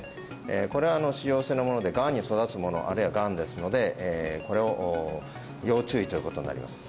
これは腫瘍性のものでがんに育つものあるいはがんですので要注意ということになります